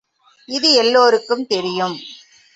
இது எல்லோருக்கும் தெரியும்.